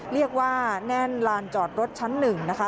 เรียกว่าแน่นลานจอดรถชั้น๑นะคะ